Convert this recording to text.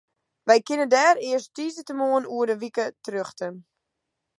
Wy kinne dêr earst tiisdeitemoarn oer in wike terjochte.